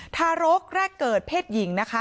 ทารกแรกเกิดเพศหญิงนะคะ